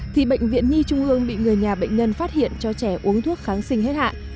thì bệnh viện nhi trung ương bị người nhà bệnh nhân phát hiện cho trẻ uống thuốc kháng sinh hết hạn